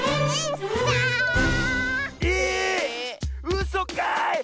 うそかい！